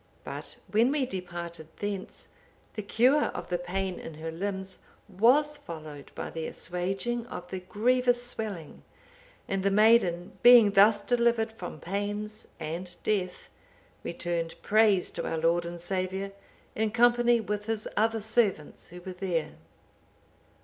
But when we departed thence, the cure of the pain in her limbs was followed by the assuaging of the grievous swelling; and the maiden being thus delivered from pains and death, returned praise to our Lord and Saviour, in company with His other servants who were there."